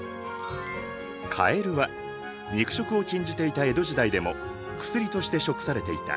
かえるは肉食を禁じていた江戸時代でも薬として食されていた。